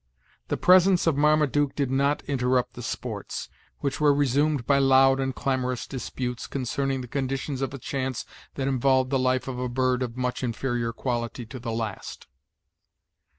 The presence of Marmaduke did not interrupt the sports, which were resumed by loud and clamorous disputes concerning the conditions of a chance that involved the life of a bird of much inferior quality to the last.